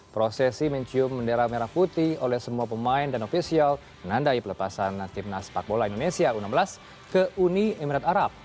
prosesi mencium bendera merah putih oleh semua pemain dan ofisial menandai pelepasan timnas sepak bola indonesia u enam belas ke uni emirat arab